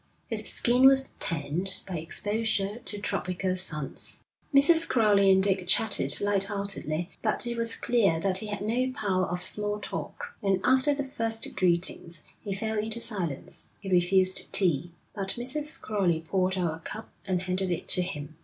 His skin was tanned by exposure to tropical suns. Mrs. Crowley and Dick chattered light heartedly, but it was clear that he had no power of small talk, and after the first greetings he fell into silence; he refused tea, but Mrs. Crowley poured out a cup and handed it to him.